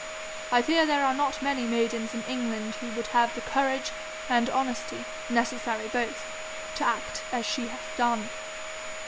I fear there are not many maidens in England who would have the courage and honesty, necessary both, to act as she hath done.'